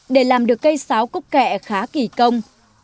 để làm được cây sáo cúc kẹ khá kỳ công